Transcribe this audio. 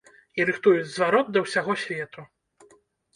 І рыхтуюць зварот да ўсяго свету.